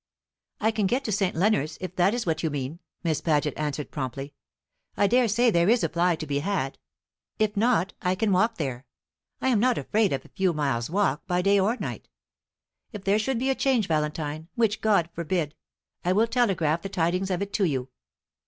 "I can get to St. Leonards, if that is what you mean," Miss Paget answered promptly. "I dare say there is a fly to be had; if not, I can walk there. I am not afraid of a few miles' walk, by day or night. If there should be a change, Valentine which God forbid I will telegraph the tidings of it to you."